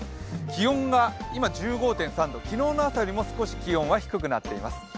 気温が今１５．３度、昨日の朝よりも少し気温は低くなっています。